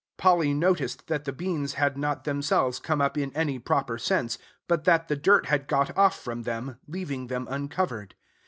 Polly noticed that the beans had not themselves come up in any proper sense, but that the dirt had got off from them, leaving them uncovered.